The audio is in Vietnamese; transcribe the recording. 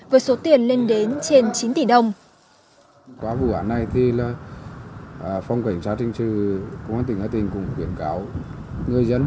với số tiền lên đến trên chín tỷ đồng